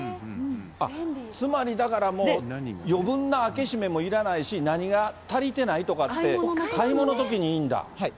あっ、つまりだからもう、余分な開け閉めもいらないし、何が足りてないとかって、買い物のときにいいんだ。